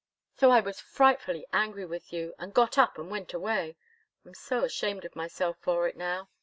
So I was frightfully angry with you and got up and went away. I'm so ashamed of myself for it, now.